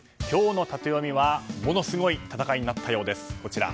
今日のタテヨミはものすごい戦いになったようです。